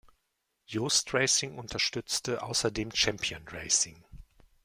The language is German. Joest Racing unterstützte außerdem Champion Racing.